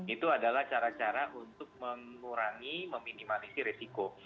itu adalah cara cara untuk mengurangi meminimalisir risiko